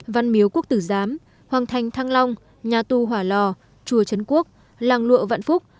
văn miếu quốc tử giám hoàng thành thăng long nhà tù hỏa lò chùa trấn quốc làng lụa vạn phúc